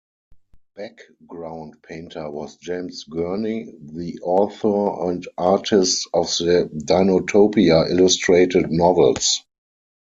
Background painter was James Gurney, the author and artist of the "Dinotopia" illustrated novels.